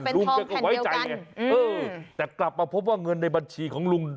จะเป็นทองแผ่นเดียวกันอืมแต่กลับมาพบว่าเงินในบัญชีของลุง